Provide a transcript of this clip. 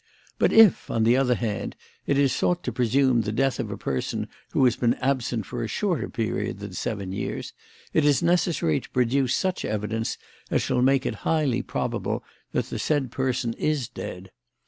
But if, on the other hand, it is sought to presume the death of a person who has been absent for a shorter period than seven years, it is necessary to produce such evidence as shall make it highly probable that the said person is dead.